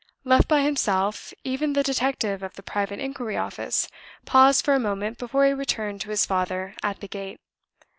Left by himself, even the Detective of the Private Inquiry Office paused for a moment before he returned to his father at the gate.